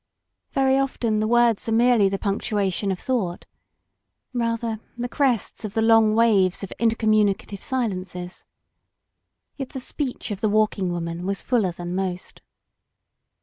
Very often the words are merely the ptinctuation of thought; rather, the crests of the long waves of inter commimicative silences. Yet the speech of the Walking Woman was fuller than most.